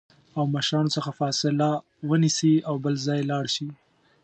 او مشرانو څخه فاصله ونیسي او بل ځای لاړ شي